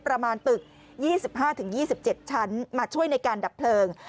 ประมาณตึก๒๕๒๗ชั้นมาช่วยในการดับเพลิง